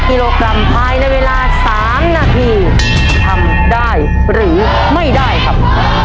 กิโลกรัมภายในเวลา๓นาทีทำได้หรือไม่ได้ครับ